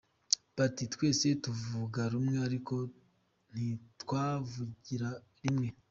Bati twese tuvuga rumwe, ariko ntitwavugira limwe.